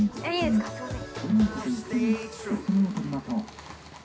すいません。